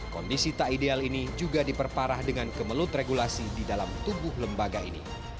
kondisi tak ideal ini juga diperparah dengan kemelut regulasi di dalam tubuh lembaga ini